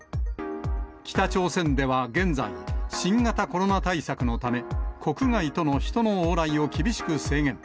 北朝鮮では現在、新型コロナ対策のため、国外との人の往来を厳しく制限。